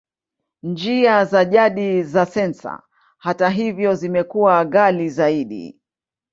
Njia za jadi za sensa, hata hivyo, zimekuwa ghali zaidi.